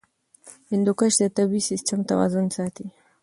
هندوکش د طبعي سیسټم توازن ساتي.